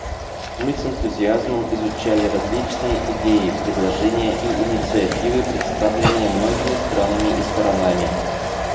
Мы с энтузиазмом изучали различные идеи, предложения и инициативы, представленные многими странами и сторонами.